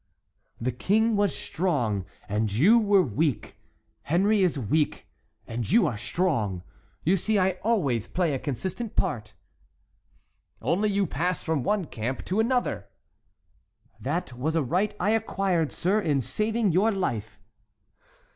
"The King was strong and you were weak; Henry is weak and you are strong. You see I always play a consistent part." "Only you pass from one camp to another." "That was a right I acquired, sir, in saving your life."